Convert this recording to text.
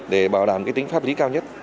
để bảo đảm tính pháp lý cao nhất